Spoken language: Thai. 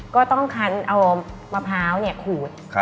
ก็ต้องคันเอามะพร้าวขูด